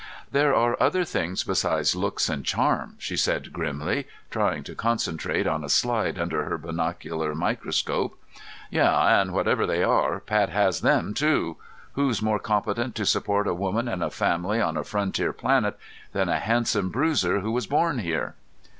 "There are other things besides looks and charm," she said, grimly trying to concentrate on a slide under her binocular microscope. "Yeah, and whatever they are, Pat has them, too. Who's more competent to support a woman and a family on a frontier planet than a handsome bruiser who was born here?"